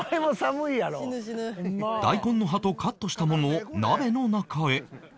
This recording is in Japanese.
大根の葉とカットしたものを鍋の中へ